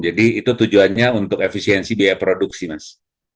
jadi itu tujuannya untuk efisiensi biaya produksi mas